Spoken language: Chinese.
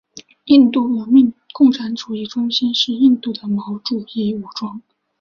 印度革命共产主义中心是印度的毛主义武装。